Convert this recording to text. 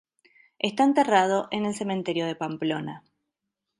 Está enterrado en el cementerio de Pamplona.